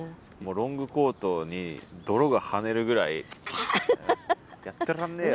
ロングコートに泥が跳ねるぐらい「やってらんねえよ！」。